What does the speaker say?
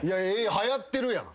はやってるやん。